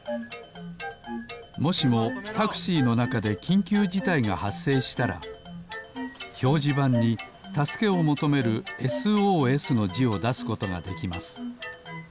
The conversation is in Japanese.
もしもタクシーのなかできんきゅうじたいがはっせいしたらひょうじばんにたすけをもとめるＳＯＳのじをだすことができます。